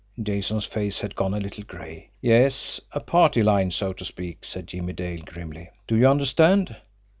Jason's face had gone a little gray. "Yes; a party line, so to speak," said Jimmie Dale grimly. "Do you understand?